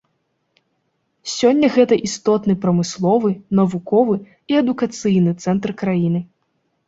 Сёння гэта істотны прамысловы, навуковы і адукацыйны цэнтр краіны.